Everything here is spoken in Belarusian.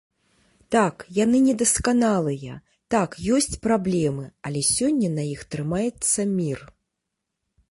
Так, яны недасканалыя, так, ёсць праблемы, але сёння на іх трымаецца мір.